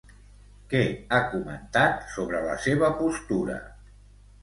Què ha comentat sobre la seva postura?